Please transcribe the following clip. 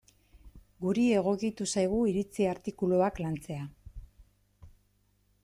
Guri egokitu zaigu iritzi artikuluak lantzea.